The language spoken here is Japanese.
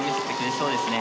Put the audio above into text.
そうですね。